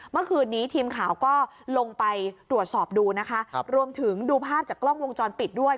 เมื่อคืนนี้ทีมข่าวก็ลงไปตรวจสอบดูนะคะรวมถึงดูภาพจากกล้องวงจรปิดด้วย